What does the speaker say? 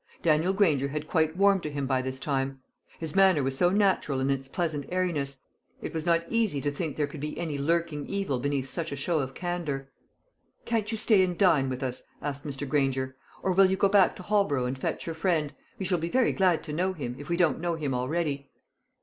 Daniel Granger had quite warmed to him by this time. His manner was so natural in its pleasant airiness: it was not easy to think there could be any lurking evil beneath such a show of candour. "Can't you stay and dine with us?" asked Mr. Granger; "or will you go back to Holborough and fetch your friend? We shall be very glad to know him, if we don't know him already."